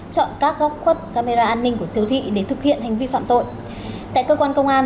chọn các góc khuất camera an ninh của siêu thị để thực hiện hành vi phạm tội tại cơ quan công an